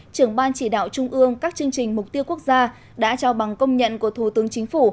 trưởng ban chỉ đạo trung ương các chương trình mục tiêu quốc gia đã trao bằng công nhận của thủ tướng chính phủ